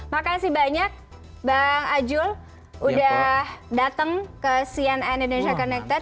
makasih banyak bang ajul sudah datang ke cnn indonesia connected